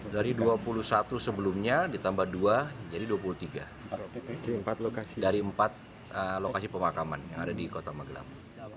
dari dua puluh satu sebelumnya ditambah dua jadi dua puluh tiga dari empat lokasi pemakaman yang ada di kota magelang